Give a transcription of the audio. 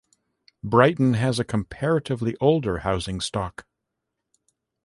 Brighton has a comparatively older housing stock.